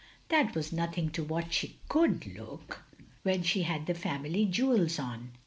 "That was nothing to what she couJd look, when she had the family jewels on.